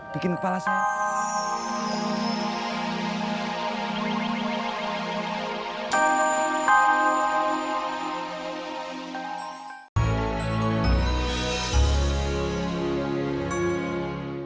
bikin kepala saya